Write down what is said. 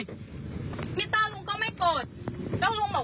มิเตอร์ลุงก็ไม่กด